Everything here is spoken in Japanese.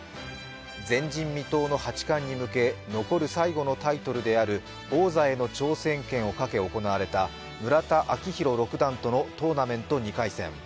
前人未踏の八冠に向け残る最後のタイトルである王座への挑戦権をかけ行われた村田顕弘６段とのトーナメント２回戦。